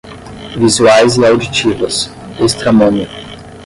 visuais e auditivas, estramónio